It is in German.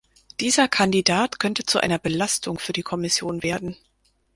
Dieser Kandidat könnte zu einer Belastung für die Kommission werden.